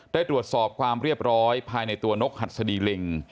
ได้ตรวจสอบความเรียบร้อยภายในตัวนกหัดสดีลิง